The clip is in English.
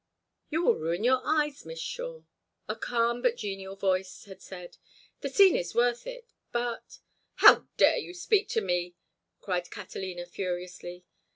"You will ruin your eyes, Miss Shore," a calm but genial voice had said. "The scene is worth it, but—" "How dare you speak to me!" cried Catalina, furiously.